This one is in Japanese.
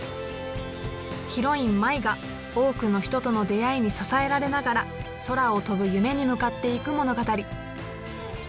ヒロイン舞が多くの人との出会いに支えられながら空を飛ぶ夢に向かっていく物語。